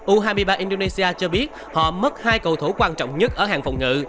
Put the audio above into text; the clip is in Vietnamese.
u hai mươi ba indonesia cho biết họ mất hai cầu thủ quan trọng nhất ở hàng phòng ngự